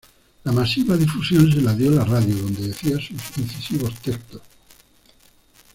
La masiva difusión se la dio la radio, donde decía sus incisivos textos.